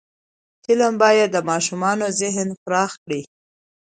فلم باید د ماشومانو ذهن پراخ کړي